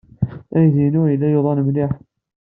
Aydi-inu yella yuḍen mliḥ.